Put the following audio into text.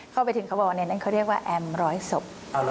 เข้าไปถึงเขาบอกว่าในนั้นเขาเรียกว่าแอมร้อยศพ